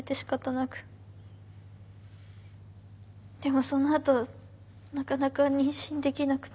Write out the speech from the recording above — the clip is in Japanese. でもその後なかなか妊娠できなくて。